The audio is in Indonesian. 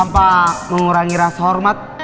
tanpa mengurangi rasa hormat